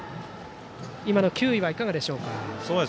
今の球威はいかがですか。